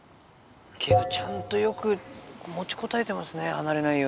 ちゃんとよく持ちこたえてますね離れないように。